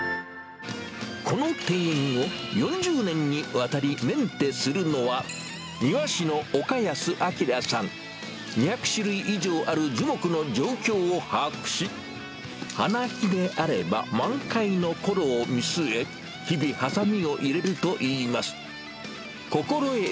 この庭園を、４０年にわたりメンテするのは、庭師の岡安晃さん、２００種類以上ある樹木の状況を把握し、花木であれば、満開のころを見据え、日々、はさみを入れるといいます。